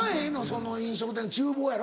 その飲食店の厨房やろ？